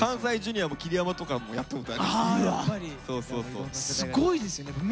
すごいですよね。